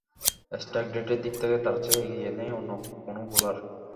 Strike রেটের দিক থেকে তাঁর চেয়ে এগিয়ে নেই অন্য কোনো বোলার।